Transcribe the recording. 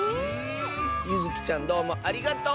ゆずきちゃんどうもありがとう！